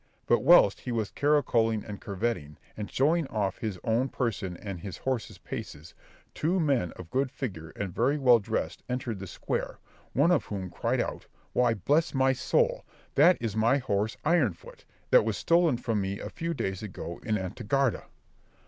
But whilst he was caracolling and curvetting, and showing off his own person and his horse's paces, two men of good figure and very well dressed entered the square, one of whom cried out, "Why, bless my soul! that is my horse Ironfoot, that was stolen from me a few days ago in Antequera."